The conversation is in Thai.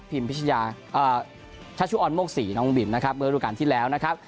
ทีมพิชญาชัชุออนโมกศรีน้องบุ๋มบิ๋มนะครับเมื่อธุรการที่แล้วนะครับ